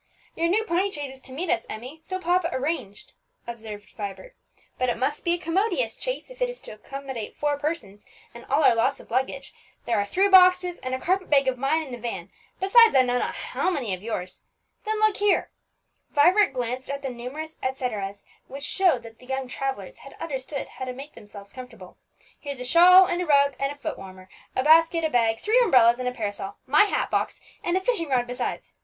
"Your new pony chaise is to meet us, Emmie, so papa arranged," observed Vibert; "but it must be a commodious chaise if it is to accommodate four persons, and all our lots of luggage. There are three boxes and a carpet bag of mine in the van, besides I know not how many of yours. Then look here," Vibert glanced at the numerous et ceteras which showed that the young travellers had understood how to make themselves comfortable; "here's a shawl, and a rug, and foot warmer, a basket, a bag, three umbrellas, and a parasol, my hat box, and a fishing rod besides!